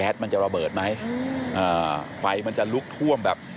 มันจะระเบิดไหมอ่าไฟมันจะลุกท่วมแบบ